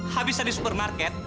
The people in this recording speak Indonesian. habisnya di supermarket